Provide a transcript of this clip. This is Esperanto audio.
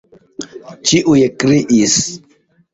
ĉiuj kriis.